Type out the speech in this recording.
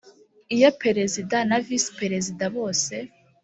iyo perezida na visi perezida bose